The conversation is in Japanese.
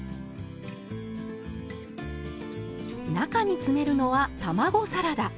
中に詰めるのは卵サラダ。